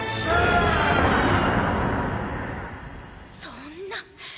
そんな！